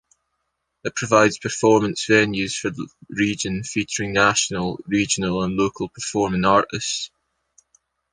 It provides performance venues for the region featuring national, regional, and local performing artists.